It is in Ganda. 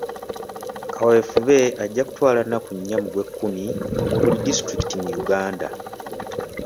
Kaweefube ajja kutwala nnaku nnya mu gw'ekkumi mu buli disitulikiti mu Uganda.